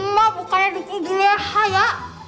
mak bukannya dikunci juleha ya